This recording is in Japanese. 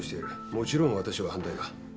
もちろん私は反対だ。